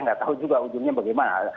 nggak tahu juga ujungnya bagaimana